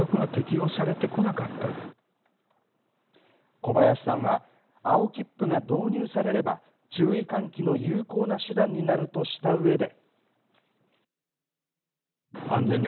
小林さんは青切符が導入されれば注意喚起の有効な手段になるとしたうえで。